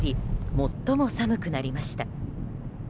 最も寒くなりました。